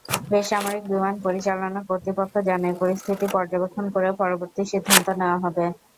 বেসামরিক বিমান পরিচালনা কর্তৃপক্ষ জানায়, পরিস্থিতি পর্যবেক্ষণ করে পরবর্তী সিদ্ধান্ত নেওয়া হবে।